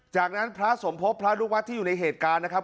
จากนั้นพระสมภพพระลูกวัดที่อยู่ในเหตุการณ์นะครับ